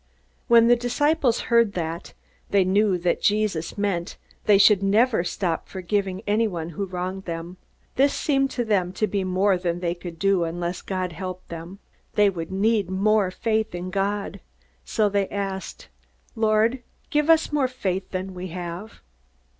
When the disciples heard that, they knew that Jesus meant they should never stop forgiving anyone who wronged them. This seemed to them to be more than they could do unless God helped them. They would need more faith in God. So they said, "Lord, give us more faith than we have."